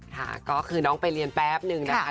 ค่ะก็คือน้องไปเรียนแป๊บนึงนะคะ